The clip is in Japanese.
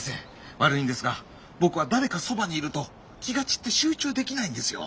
悪いんですが僕は誰かそばにいると気が散って集中できないんですよ。